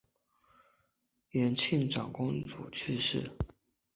延庆长公主去世。